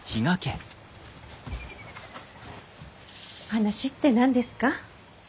話って何ですか？